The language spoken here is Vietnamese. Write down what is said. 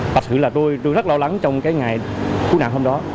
thật sự là tôi rất lo lắng trong cái ngày cứu nạn hôm đó